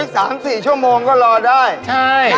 ทั้ง๓๔ชั่วโมงก็รอได้ใช่